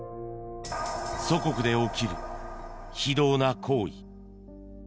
祖国で起きる、非道な行為。